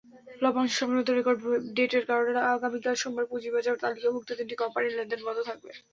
লভ্যাংশ-সংক্রান্ত record ডেটের কারণে আগামীকাল সোমবার পুঁজিবাজারে তালিকাভুক্ত তিনটি কোম্পানির লেনদেন বন্ধ থাকবে।